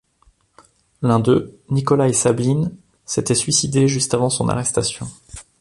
L'un d'eux, Nikolaï Sabline, s'était suicidé juste avant son arrestation.